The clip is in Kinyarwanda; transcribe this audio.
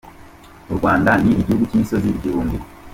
U Rwanda ni igihugu cy'imisozi igihumbi.